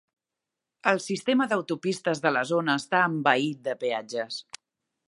El sistema d'autopistes de la zona està envaït de peatges.